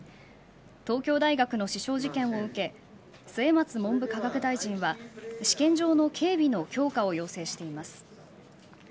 東京大学の死傷事件を受け末松文部科学大臣は試験場の警備の強化を要請しています。